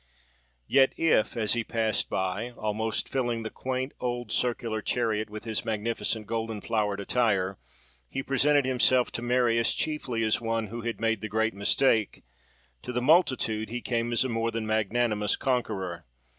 Yet if, as he passed by, almost filling the quaint old circular chariot with his magnificent golden flowered attire, he presented himself to Marius, chiefly as one who had made the great mistake; to the multitude he came as a more than magnanimous conqueror.